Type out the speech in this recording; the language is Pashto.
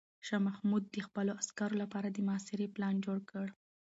شاه محمود د خپلو عسکرو لپاره د محاصرې پلان جوړ کړ.